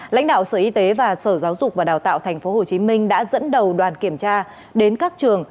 lãnh đạo sở y tế và sở giáo dục và đào tạo tp hcm đã dẫn đầu đoàn kiểm tra đến các trường